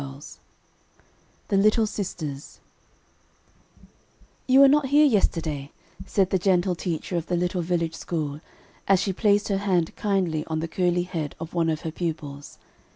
"] THE LITTLE SISTERS "You were not here yesterday," said the gentle teacher of the little village school, as she placed her hand kindly on the curly head of one of her pupils.